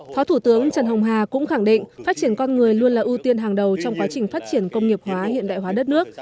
phó thủ tướng trần hồng hà cũng khẳng định phát triển con người luôn là ưu tiên hàng đầu trong quá trình phát triển công nghiệp hóa hiện đại hóa đất nước